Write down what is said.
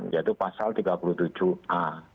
yaitu pasal tiga puluh tujuh a